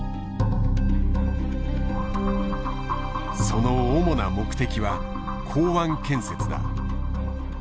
その主な目的は港湾建設だ。